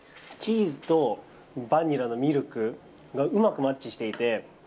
チーズとバニラのミルクがうまくマッチしていて。